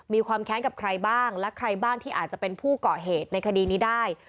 มีความแค้นกับใครบ้างและใครบ้างที่อาจจะเป็นผู้เกาะเหตุในคดีนี้ได้